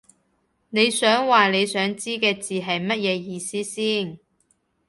你想話你想知嘅字係乜嘢意思先